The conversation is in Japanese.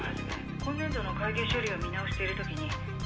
「今年度の会計処理を見直している時に」